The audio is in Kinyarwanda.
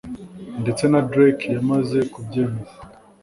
ndetse na Drake yamaze kubyemeza